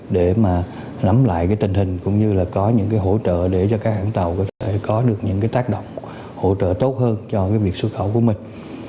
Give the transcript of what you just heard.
để mà lắm lại tình hình cũng như là có những hỗ trợ để cho các hãng tàu có được những tác động hỗ trợ tốt hơn cho việc xuất khẩu của mình